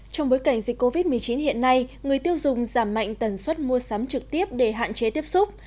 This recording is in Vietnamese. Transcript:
trong bối cảnh dịch covid một mươi chín hiện nay người tiêu dùng giảm mạnh tần suất mua sắm trực tiếp để hạn chế tiếp xúc